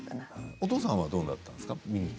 お父様はどうだったんですか？